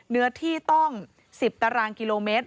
เนื้อที่ต้อง๑๐ตารางกิโลเมตร